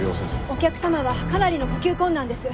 お客様はかなりの呼吸困難です！